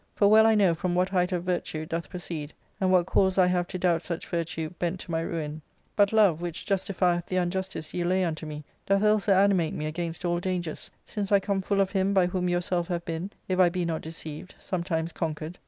For well I know from what height of virtue it doth proceed, and what cause I have to doubt such virtue bent t9 my ruin ; but love, which justifieth the unjustice you lay unto me, doth also animate me against all dangers, since I come full of him by whom yourself have been, if I be not deceived, sometimes conquered.